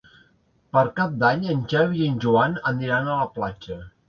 Per Cap d'Any en Xavi i en Joan aniran a la platja.